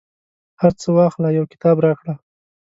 هرڅه واخله، یو کتاب راکړه